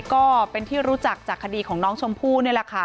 ก็เป็นที่รู้จักจากคดีของน้องชมพู่นี่แหละค่ะ